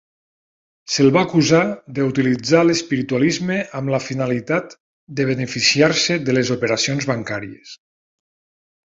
Se"l va acusar de utilitzar l"espiritualisme amb la finalitat de beneficiar-se de les operacions bancàries.